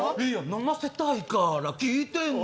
飲ませたいから聞いてんの。